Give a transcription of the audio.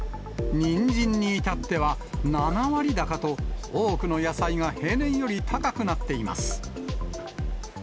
ニンジンにいたっては７割高と、多くの野菜が平年より高くなっています。